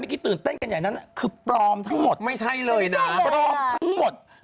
เคยเตือนเต้นแบบนั้นคือพร้อมทั้งหมด